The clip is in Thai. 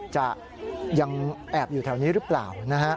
จะยังแอบอยู่แถวนี้หรือเปล่านะฮะ